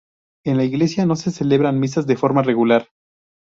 En la iglesia no se celebran misas de forma regular.